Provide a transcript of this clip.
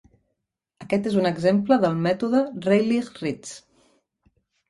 Aquest és un exemple del mètode Rayleigh-Ritz.